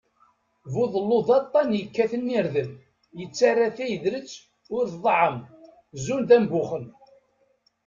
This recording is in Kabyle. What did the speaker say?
Buḍellu d aṭṭan yekkaten irden, yettarra tiyedret ur tḍeɛɛem, zun d ambuxen.